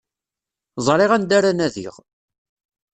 Ẓriɣ anda ara nadiɣ.